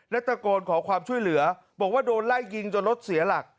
และตะโกนขอความช่วยเหลือบอกว่าโดนไล่ยิงจนรถเสียหลัก